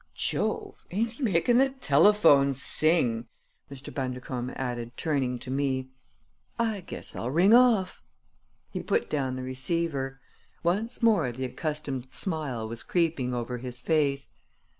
Jove! Ain't he making the telephone sing!" Mr. Bundercombe added, turning to me. "I guess I'll ring off!" He put down the receiver. Once more the accustomed smile was creeping over his face.